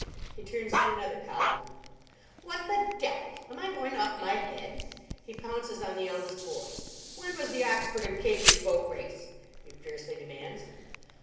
He turns to another column. "What the devil! Am I going off my head?" He pounces on the eldest boy. "When was the Oxford and Cambridge Boat race?" he fiercely demands.